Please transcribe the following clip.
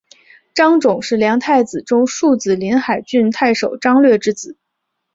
张种是梁太子中庶子临海郡太守张略之子。